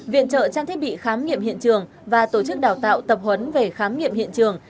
viện trợ trang thiết bị khám nghiệm hiện trường và tổ chức đào tạo tập huấn về khám nghiệm hiện trường